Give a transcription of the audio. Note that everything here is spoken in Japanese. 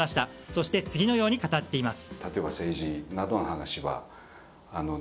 そして次のように語っています。